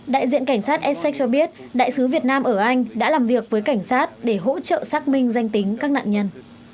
đại diện cảnh sát ssec cho biết đại sứ việt nam ở anh đã làm việc với cảnh sát để hỗ trợ xác minh danh tính các nạn nhân